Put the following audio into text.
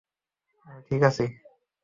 আমি ঠিক আছি?